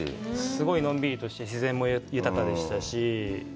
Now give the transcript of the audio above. すごいのんびりとして、自然も豊かでしたし。